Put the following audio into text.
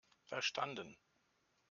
Verstanden!